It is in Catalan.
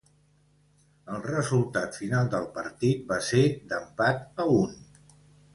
El resultat final del partit va ser d'empat a un.